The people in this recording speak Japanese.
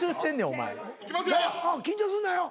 緊張すんなよ。